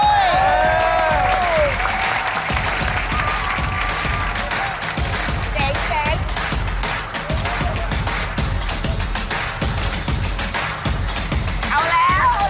เดี๋ยวไปกระเด็น